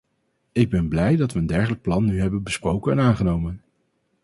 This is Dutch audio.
Ik ben blij dat we een dergelijk plan nu hebben besproken en aangenomen.